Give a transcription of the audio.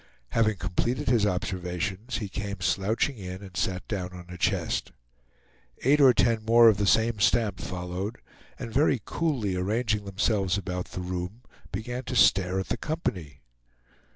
Having completed his observations, he came slouching in and sat down on a chest. Eight or ten more of the same stamp followed, and very coolly arranging themselves about the room, began to stare at the company.